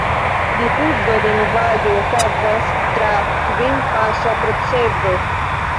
Difuzo de novaĵo okazas tra kvin–paŝa procezo.